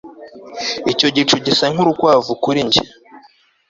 Icyo gicu gisa nkurukwavu kuri njye